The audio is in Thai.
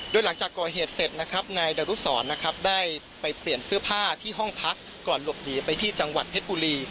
โดยหลังจากก่อเหตุเสร็จนะครับนายดารุสรนะครับได้ไปเปลี่ยนเสื้อผ้าที่ห้องพักก่อนหลบหนีไปที่จังหวัดเพชรบุรี